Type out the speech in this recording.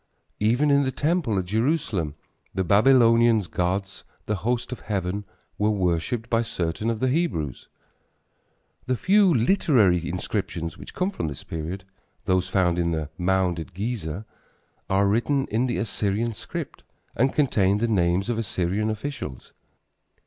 Even in the temple at Jerusalem the Babylonians' gods, the host of heaven, were worshipped by certain of the Hebrews. The few literary inscriptions which come from this period, those found in the mound at Gezer, are written in the Assyrian script and contain the names of Assyrian officials.